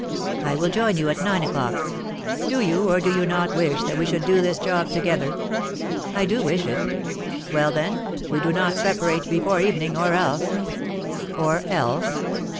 "I will join you at nine o'clock." "Do you or do you not wish that we should do this job together?" "I do wish it." "Well, then, we do not separate before evening, or else " "Or else?"